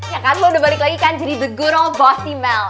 ya kan lo udah balik lagi kan jadi the good ol' bossy mel